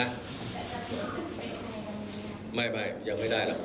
ไม่ยังไม่ได้เราต้องหาระยุ่งก่อน